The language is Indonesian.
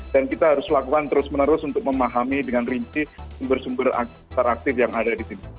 dan kita harus lakukan terus menerus untuk memahami dengan rinci sumber sumber teraktif yang ada di sini